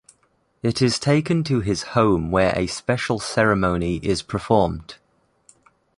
It is taken to his home where a special ceremony is performed.